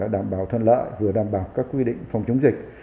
đảm bảo thuận lợi vừa đảm bảo các quy định phòng chống dịch